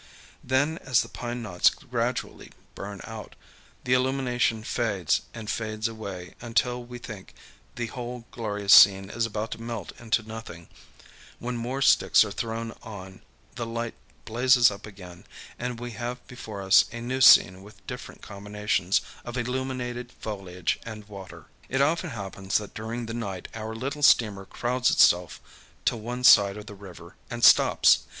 Then, as the pine knots gradually burn out, the illumination fades and fades away until we think the whole glorious scene is about to melt into nothing, when more sticks are thrown on, the light blazes up again, and we have before us a new scene with different combinations of illuminated foliage and water. [Pg 121][Pg 122] It often happens that during the night our little steamer crowds itself to one side of the river and stops.